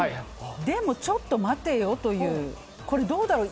でも、ちょっと待てよというこれ、どうだろう？